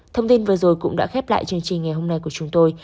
thông tin vừa rồi cũng đã khép lại chương trình ngày hôm nay của chúng tôi